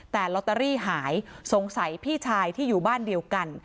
แต่ลอตเตอรี่หายสงสัยพี่ชายที่อยู่บ้านเดียวกัน